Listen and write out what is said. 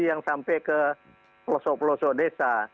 yang sampai ke pelosok pelosok desa